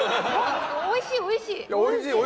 おいしい、おいしい。